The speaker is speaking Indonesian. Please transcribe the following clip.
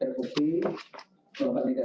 melakukan tiga menjalankan solidar